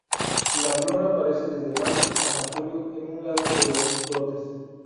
Las flores aparecen desde mayo hasta julio en un lado de los brotes.